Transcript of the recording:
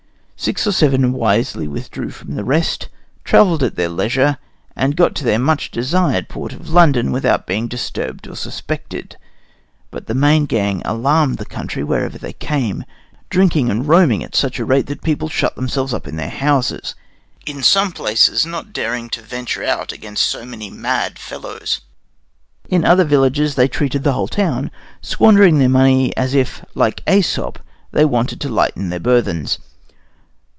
Six or seven wisely withdrew from the rest, travelled at their leisure, and got to their much desired port of London without being disturbed or suspected, but the main gang alarmed the country wherever they came, drinking and roaring at such a rate that the people shut themselves up in their houses, in some places not daring to venture out among so many mad fellows. In other villages they treated the whole town, squandering their money away as if, like Æsop, they wanted to lighten their burthens.